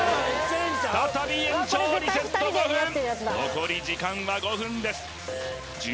再び延長リセット５分残り時間は５分です